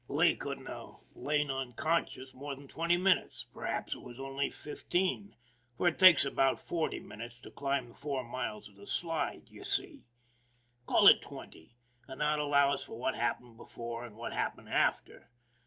Lee couldn't have lain unconscious more than twenty minutes, perhaps it was only fifteen, for it takes about forty minutes to climb the four miles of the Slide, you see. Call it twenty, that allows for what happened be fore and what happened after.